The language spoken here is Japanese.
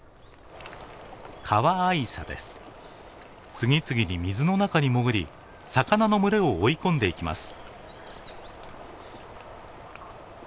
次々に水の中に潜り魚の群れを追い込んでいきます。